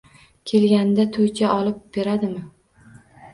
Kelganida toycha olib beradimi?